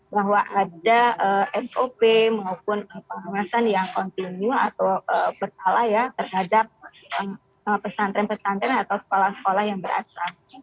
bahwa ada sop maupun pengawasan yang continue atau bertala ya terhadap pesantren pesantren atau sekolah sekolah yang berasuransi